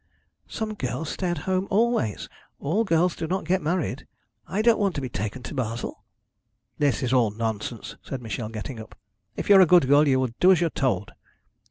'Some girls stay at home always. All girls do not get married. I don't want to be taken to Basle.' 'This is all nonsense,' said Michel, getting up. 'If you're a good girl, you will do as you are told.'